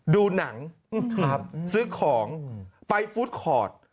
ดูหนังซื้อของไปฟู้ดคอร์ด